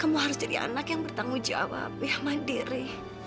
kamu harus jadi anak yang bertanggung jawab ya mandiri